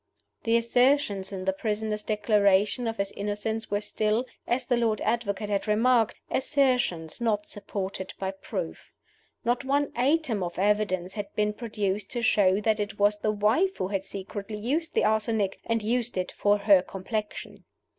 The assertions in the prisoner's Declaration of his innocence were still, as the Lord Advocate had remarked, assertions not supported by proof. Not one atom of evidence had been produced to show that it was the wife who had secretly used the arsenic, and used it for her complexion.